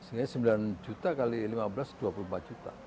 sehingga sembilan juta kali lima belas dua puluh empat juta